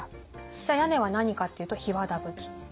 じゃあ屋根は何かっていうと檜皮葺き。